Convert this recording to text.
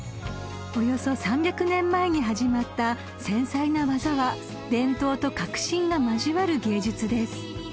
［およそ３００年前に始まった繊細な技は伝統と革新が交わる芸術です］